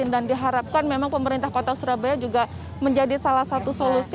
dan diharapkan memang pemerintah kota surabaya juga menjadi salah satu solusi